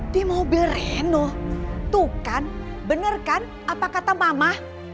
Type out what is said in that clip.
di mobil henoh tuh kan bener kan apa kata mama